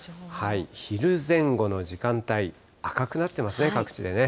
昼前後の時間帯、赤くなってますね、各地でね。